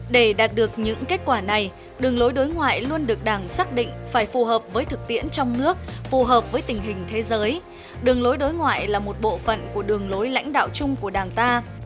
để đạt được những kết quả này đường lối đối ngoại luôn được đảng xác định phải phù hợp với thực tiễn trong nước phù hợp với tình hình thế giới đường lối đối ngoại là một bộ phận của đường lối lãnh đạo chung của đảng ta